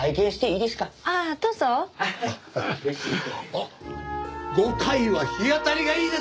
あっ５階は日当たりがいいですね！